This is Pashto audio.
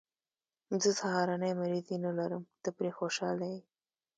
زه سهارنۍ مریضي نه لرم، ته پرې خوشحاله یې.